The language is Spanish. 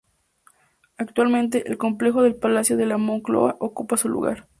Actualmente, el complejo del Palacio de la Moncloa ocupa su lugar.